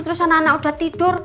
terus anak anak udah tidur